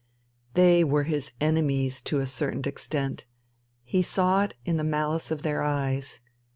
They were his enemies to a certain extent, he saw it in the malice of their eyes.